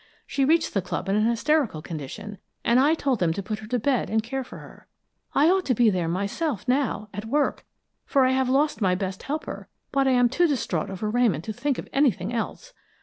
She reached the club in an hysterical condition, and I told them to put her to bed and care for her. I ought to be there myself now, at work, for I have lost my best helper, but I am too distraught over Ramon to think of anything else.